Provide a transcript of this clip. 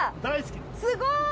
すごい。